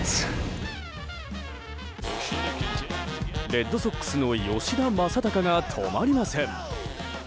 レッドソックスの吉田正尚が止まりません！